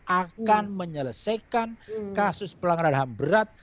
akan menyelesaikan kasus pelanggaran ham berat